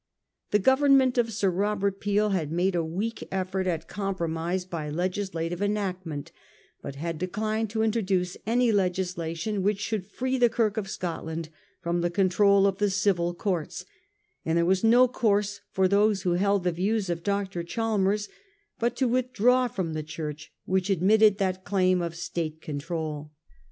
The Government of Sir Robert Peel had made a weak effort at compromise by legislative enactment, but had declined to introduce any legislation which should free the Kirk of Scotland from the control * of the civil courts, and there was no course for those who held the views of Dr. Chalmers but to with draw from the Church which admitted that claim of State control.